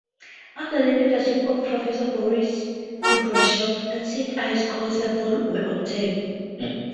Under the leadership of Professor Boris Kudryashov, ancient ice core samples were obtained.